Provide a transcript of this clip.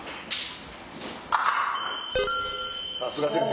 さすが先生！